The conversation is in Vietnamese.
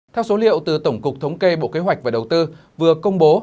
theo số liệu từ tổng cục thống kê bộ kế hoạch và đầu tư vừa công bố